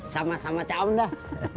sama sama cawam dah